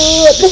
ya allah ustadz